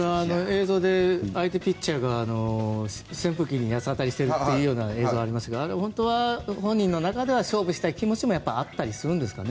映像で相手ピッチャーが扇風機に八つ当たりしている映像がありましたがあれ本当は本人の中では勝負したい気持ちがあったりするんですかね。